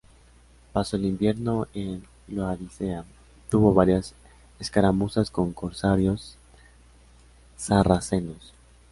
Pasó el invierno en Laodicea y tuvo varias escaramuzas con corsarios sarracenos.